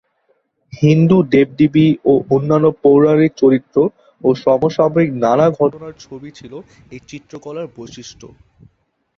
হিন্দু দেবদেবী ও অন্যান্য পৌরাণিক চরিত্র ও সমসাময়িক নানা ঘটনার ছবি ছিল এই চিত্রকলার বৈশিষ্ট্য।